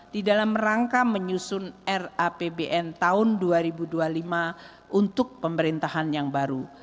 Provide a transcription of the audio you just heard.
di dalam rangka menyusun rapbn tahun dua ribu dua puluh lima untuk pemerintahan yang baru